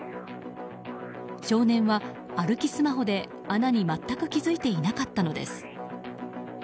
少年は歩きスマホで、穴に全く気付いていなかったのです。